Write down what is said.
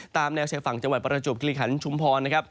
ตามแนวเชฟฝั่งจังหวัดประจุบกิริขันชุมพร